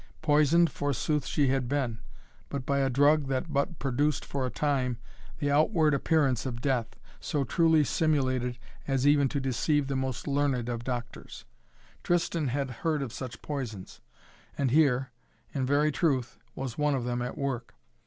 Poisoned forsooth she had been, but by a drug that but produced for a time the outward appearance of death, so truly simulated as even to deceive the most learned of doctors. Tristan had heard of such poisons, and here, in very truth, was one of them at work.